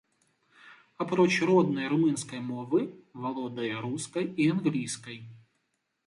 Апроч роднай румынскай мовы, валодае рускай і англійскай.